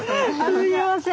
すみません。